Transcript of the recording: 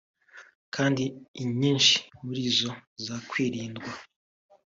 kandi inyinshi muri zo zakwirindwa